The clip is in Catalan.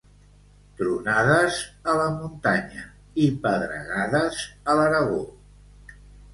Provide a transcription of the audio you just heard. Tronades a la muntanya i pedregades a l'Aragó.